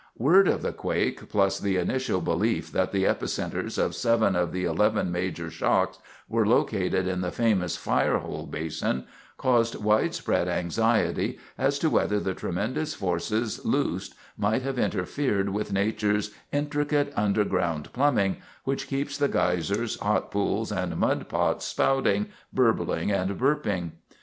Word of the quake plus the initial belief that the epicenters of seven of the eleven major shocks were located in the famous Firehole Basin caused widespread anxiety as to whether the tremendous forces loosed might have interfered with nature's intricate underground plumbing which keeps the geysers, hot pools, and mud pots spouting, burbling and burping.